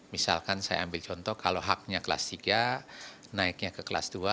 misalkan saya ambil contoh kalau haknya kelas tiga naiknya ke kelas dua